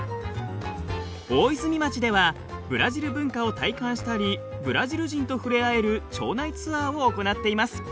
大泉町ではブラジル文化を体感したりブラジル人と触れ合える町内ツアーを行っています。